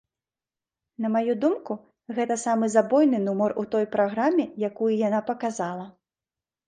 На маю думку, гэта самы забойны нумар у той праграме, якую яна паказала.